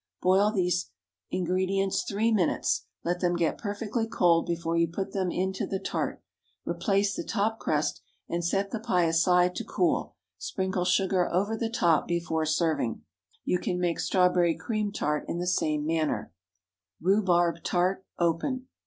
Boil these ingredients three minutes; let them get perfectly cold before you put them into the tart. Replace the top crust, and set the pie aside to cool. Sprinkle sugar over the top before serving. You can make strawberry cream tart in the same manner. RHUBARB TART. (_Open.